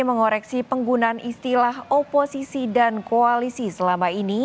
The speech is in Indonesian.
mengoreksi penggunaan istilah oposisi dan koalisi selama ini